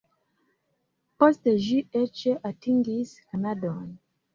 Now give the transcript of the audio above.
Poste ĝi eĉ atingis Kanadon.